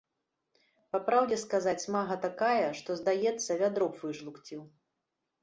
Па праўдзе сказаць, смага такая, што, здаецца, вядро б выжлукціў.